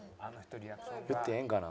言ってええんかな？